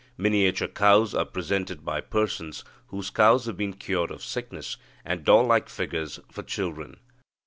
Miniature cows are presented by persons whose cows have been cured of sickness, and doll like figures for children.